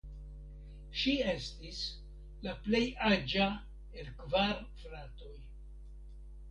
Ŝi estis la plej aĝa el kvar fratoj.